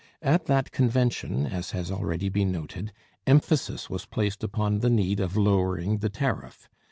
At that convention, as has already been noted, emphasis was placed upon the need of lowering the tariff.